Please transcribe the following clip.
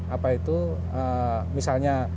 apa itu misalnya